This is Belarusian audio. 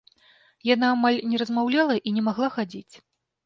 Яна амаль не размаўляла і не магла хадзіць.